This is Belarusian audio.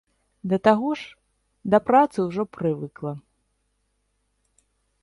Да таго ж, да працы ўжо прывыкла.